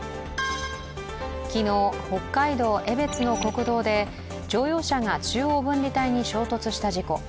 昨日、北海道・江別の国道で乗用車が中央分離帯に衝突した事故。